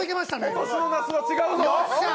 今年の那須は違うぞ！